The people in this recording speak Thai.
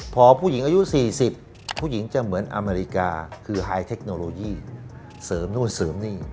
พอผู้หญิงอายุ๔๐ผู้หญิงจะเหมือนอเมริกาคือไฮเทคโนโลยีเสริมนู่นเสริมนี่